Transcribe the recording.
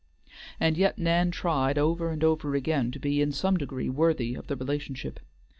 And yet Nan tried over and over again to be in some degree worthy of the relationship.